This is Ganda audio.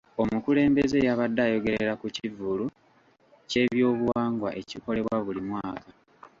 Omukulembeze yabadde ayogerera ku kivvulu ky'ebyobuwangwa ekikolebwa buli mwaka.